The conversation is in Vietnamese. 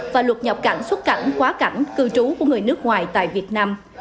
và luật nhập cảnh xuất cảnh quá cảnh cư trú của người nước ngoài tại việt nam